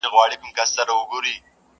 چي بې عزتو را سرتوري کړلې.!